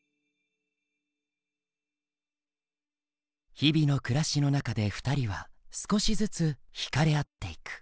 日々の暮らしの中で２人は少しずつ惹かれ合っていく。